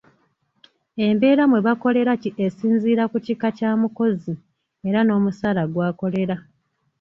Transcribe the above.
Embeera mwe bakolera esinziira ku kika Kya mukozi era n'omusaala gw'akolera.